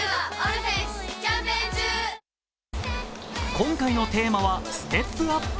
今回のテーマはステップアップ。